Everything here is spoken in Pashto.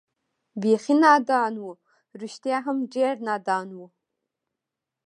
بېخي نادان و، رښتیا هم ډېر نادان و.